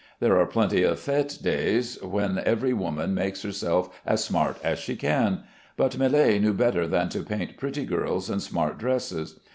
There are plenty of fête days when every woman makes herself as smart as she can; but Millet knew better than to paint pretty girls and smart dresses.